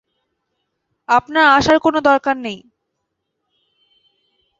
আপনার আসার কোনো দরকার নেই।